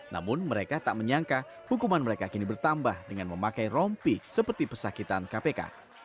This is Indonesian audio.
namun mereka tak menyangka hukuman mereka kini bertambah dengan memakai rompi seperti pesakitan kpk